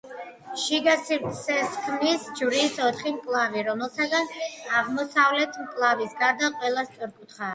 შიგა სივრცეს ქმნის ჯვრის ოთხი მკლავი, რომელთაგან აღმოსავლეთი მკლავის გარდა ყველა სწორკუთხაა.